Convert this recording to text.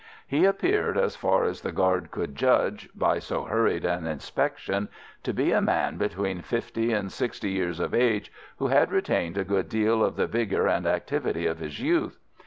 He appeared, as far as the guard could judge by so hurried an inspection, to be a man between fifty and sixty years of age, who had retained a good deal of the vigour and activity of his youth.